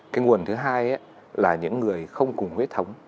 cái nguồn thứ hai là những người không cùng huyết thống